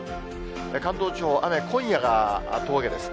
関東地方、雨、今夜が峠です。